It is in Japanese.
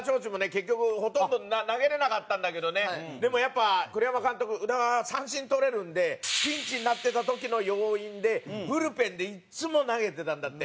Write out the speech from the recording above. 結局ほとんど投げれなかったんだけどねでもやっぱ栗山監督宇田川三振とれるんでピンチになってた時の要員でブルペンでいつも投げてたんだって。